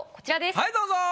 はいどうぞ。